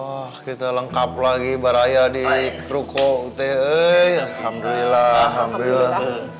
wah kita lengkap lagi baraya di ruko ute alhamdulillah